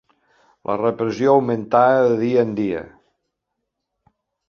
La repressió augmentava de dia en dia.